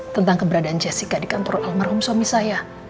tentang keberadaan jessica di kantor almarhum suami saya